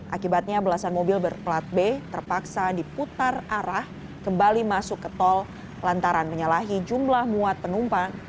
akibatnya belasan mobil berplat b terpaksa diputar arah kembali masuk ke tol lantaran menyalahi jumlah muat penumpang